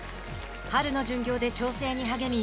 春の巡業で調整に励み